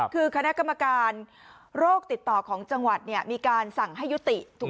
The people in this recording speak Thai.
คือคณะกรรมการโรคติดต่อของจังหวัดมีการสั่งให้ยุติถูก